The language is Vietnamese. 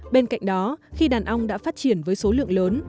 bên cạnh đó khi đàn ong đã phát triển với số lượng lớn